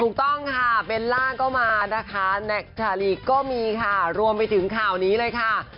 ถูกต้องค่ะเบลล่าก็มานะคะแน็กชาลีก็มีค่ะรวมไปถึงข่าวนี้เลยค่ะ